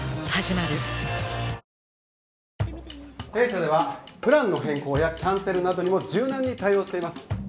弊社ではプランの変更やキャンセルなどにも柔軟に対応しています。